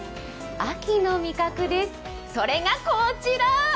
秋の味覚です、それがこちら！